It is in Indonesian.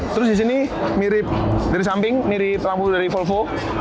terus di sini mirip dari samping mirip lampu dari folvo